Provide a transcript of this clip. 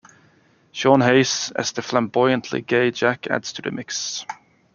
Sean Hayes, as the flamboyantly gay Jack, adds to the mix.